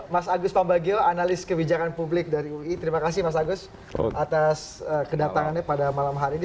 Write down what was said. mas agus pambagio analis kebijakan publik dari ui terima kasih mas agus atas kedatangannya pada malam hari ini